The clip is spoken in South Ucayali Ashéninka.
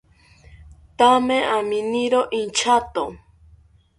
Thame aminiro inchato